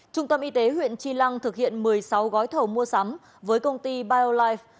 trung tâm y tế huyện chi lăng thực hiện một mươi sáu gói thầu mua sắm với công ty biolife